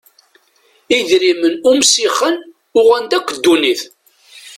Idrimen umsixen uɣen-d akk ddunit.